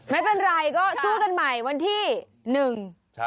ไม่เป็นไรก็สู้กันใหม่วันที่หนึ่ง